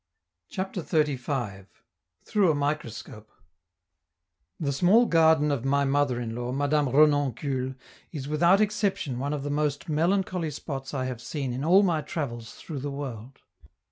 CHAPTER XXXV. THROUGH A MICROSCOPE The small garden of my mother in law, Madame Renoncule, is, without exception, one of the most melancholy spots I have seen in all my travels through the world.